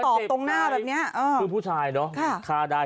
ตรงหน้าแบบเนี้ยเออคือผู้ชายเนอะค่ะฆ่าได้